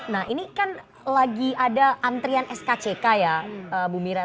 nah ini kan lagi ada antrian skck ya bu mira